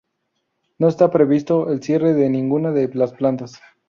No está previsto el cierre de ninguna de las plantas.